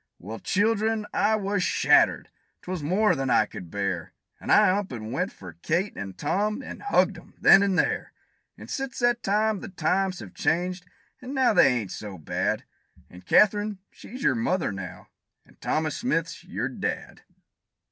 Well, children, I was shattered; 'twas more than I could bear And I up and went for Kate an' Tom, and hugged 'em then and there! And since that time, the times have changed, an' now they ain't so bad; And Katherine, she's your mother now, and Thomas Smith's your dad.